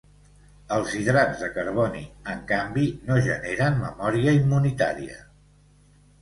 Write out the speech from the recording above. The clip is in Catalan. Els hidrats de carboni, en canvi, no generen memòria immunitària.